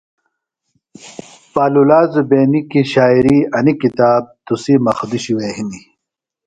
پالولا زُبینی کیۡ شاعری انیۡ آویلی کتاب تُسی مُخدوشیۡ وے ہِنیۡ۔